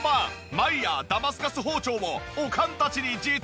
マイヤーダマスカス包丁をおかんたちに実演販売。